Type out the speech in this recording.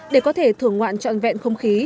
để có thể thưởng ngoạn trọn vẹn không khí